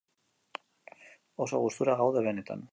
Oso gustura gaude benetan.